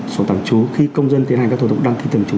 sổ tạm trú khi công dân tiến hành các thủ tục đăng ký thường trú